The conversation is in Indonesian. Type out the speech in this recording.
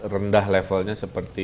rendah levelnya seperti